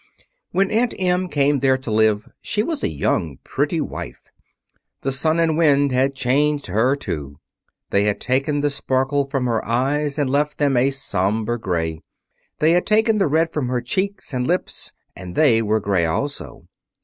When Aunt Em came there to live she was a young, pretty wife. The sun and wind had changed her, too. They had taken the sparkle from her eyes and left them a sober gray; they had taken the red from her cheeks and lips, and they were gray also.